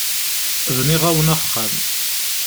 Bniɣ-awen axxam.